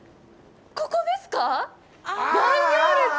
ここですか！？